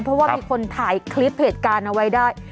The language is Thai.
เพราะว่ามีคนถ่ายคลิปเหตุการณ์เอาไว้ได้